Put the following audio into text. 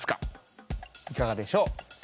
いかがでしょう。